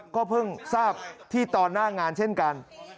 ก็เพิ่งทราบที่ตอนหน้างานเช่นกัน